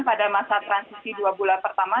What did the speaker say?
pada masa transisi dua bulan pertama